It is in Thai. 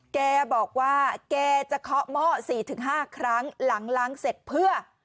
แกบอกว่าแกจะเคาะหม้อ๔๕ครั้งหลังล้างเสร็จเพื่อ